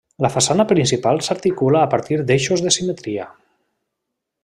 La façana principal s'articula a partir d'eixos de simetria.